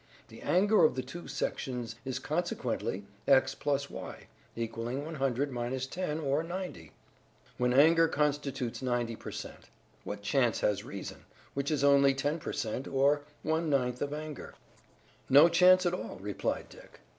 The anger of the two sections is consequently x + y, equalling 100 10, or 90. When anger constitutes 90 per cent., what chance has reason, which is only 10 per cent., or one ninth of anger?" "No chance at all," replied Dick.